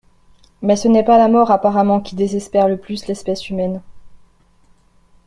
Mais ce n'est pas la mort apparemment qui désespère le plus l'espèce humaine.